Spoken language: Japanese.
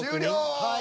はい。